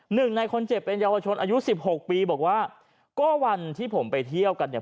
หนึ่งในคนเจ็บเป็นเยาวชนอายุสิบหกปีบอกว่าก็วันที่ผมไปเที่ยวกันเนี่ย